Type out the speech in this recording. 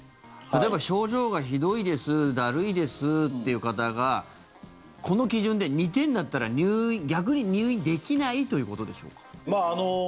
例えば症状がひどいですだるいですっていう方がこの基準で２点だったら逆に入院できないということでしょうか？